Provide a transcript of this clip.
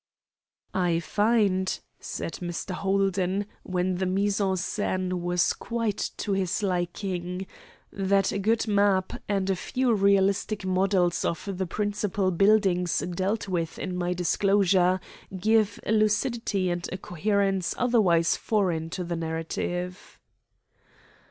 "I find," said Mr. Holden, when the mise en scène was quite to his liking, "that a good map, and a few realistic models of the principal buildings dealt with in my discourse, give a lucidity and a coherence otherwise foreign to the narrative."